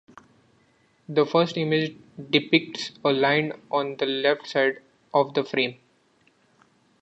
The first image depicts a line on the left side of the frame.